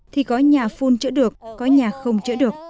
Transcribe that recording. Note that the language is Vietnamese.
thì có nhà phun chữa được có nhà không chữa được